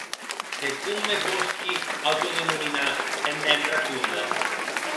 Se com me posqui autodenominar en mèn raconde?